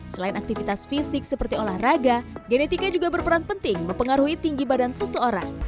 selain aktivitas fisik seperti olahraga genetika juga berperan penting mempengaruhi tinggi badan seseorang